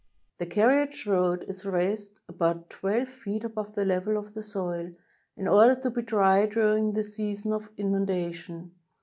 The carriage road is raised about twelve feet above the level of the soil, in order to be dry during the season of inundation.